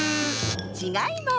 ちがいます！